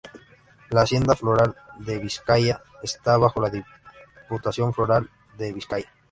La Hacienda Foral de Vizcaya está bajo la Diputación Foral de Vizcaya.